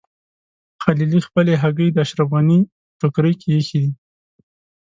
خلیلي خپلې هګۍ د اشرف غني په ټوکرۍ کې ایښي دي.